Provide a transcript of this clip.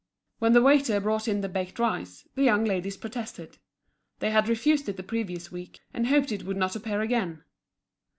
When the waiter brought in the baked rice, the young ladies protested. They had refused it the previous week, and hoped it would not appear again.